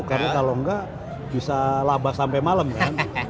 karena kalau enggak bisa labak sampai malam kan